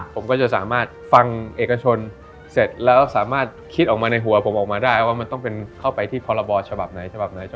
ผมก็จะสามารถฟังเอกชนเสร็จแล้วสามารถคิดออกมาในหัวผมออกมาได้ว่ามันต้องเป็นเข้าไปที่พรบฉบับไหนฉบับไหน